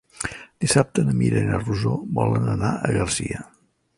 Dissabte na Mira i na Rosó volen anar a Garcia.